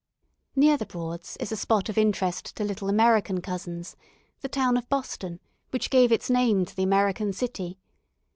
Near the "Broads" is a spot of interest to little American cousins, the town of Boston which gave its name to the American city.